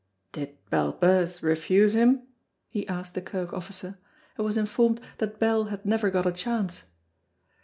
"Did Bell Birse refuse him?" he asked the kirk officer, and was informed that Bell had never got a chance.